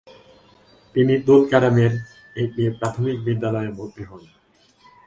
তিনি তুলকারেমের একটি প্রাথমিক বিদ্যালয়ে ভর্তি হন।